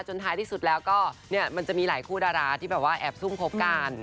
ท้ายที่สุดแล้วก็เนี่ยมันจะมีหลายคู่ดาราที่แบบว่าแอบซุ่มคบกัน